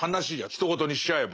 ひと事にしちゃえば。